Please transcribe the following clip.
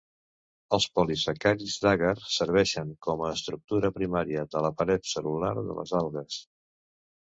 Els polisacàrids d'agar serveixen com a estructura primària de la paret cel·lular de les algues.